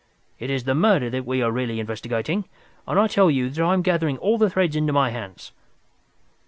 It is the murder that we are really investigating, and I tell you that I am gathering all the threads into my hands."